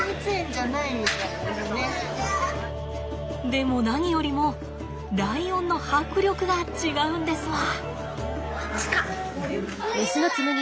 でも何よりもライオンの迫力が違うんですわ。